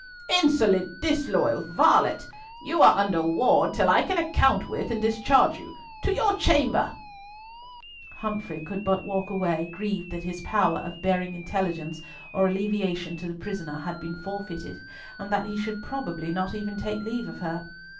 "Insolent, disloyal varlet! You are under ward till I can account with and discharge you. To your chamber!" Humfrey could but walk away, grieved that his power of bearing intelligence or alleviation to the prisoner had been forfeited, and that he should probably not even take leave of her.